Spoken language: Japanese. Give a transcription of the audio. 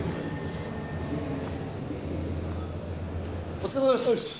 お疲れさまです。